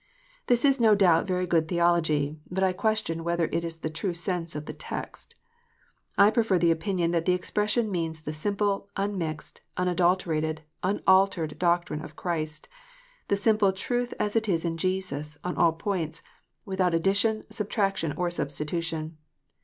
This is no doubt very good theology ; but I question whether it is the true sense of the text. I prefer the opinion that the expression means the simple, unmixed, unadulterated, unaltered doctrine of Christ, the simple " truth as it is in Jesus," on all points, without addi tion, subtraction, or substitution.